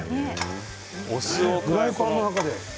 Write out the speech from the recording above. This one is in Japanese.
フライパンの中で。